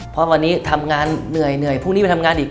เพราะวันนี้ทำงานเหนื่อยพรุ่งนี้ไปทำงานอีก